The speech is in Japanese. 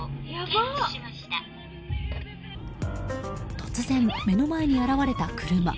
突然、目の前に現れた車。